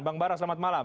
bang barah selamat malam